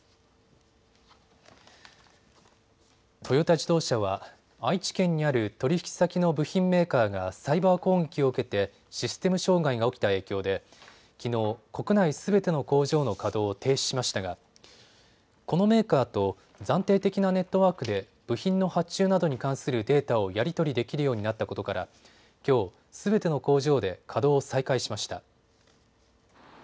トヨタ自動車は愛知県にある取引先の部品メーカーがサイバー攻撃を受けてシステム障害が起きた影響できのう国内すべての工場の稼働を停止しましたがこのメーカーと暫定的なネットワークで部品の発注などに関するデータをやり取りできるようになったことからきょう、すべての工場で稼働を再開しました。